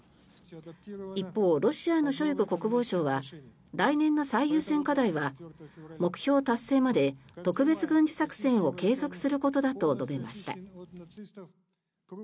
一方、ロシアのショイグ国防相は来年の最優先課題は目標達成まで特別軍事作戦を継続することだと述べました。